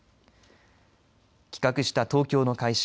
企画した東京の会社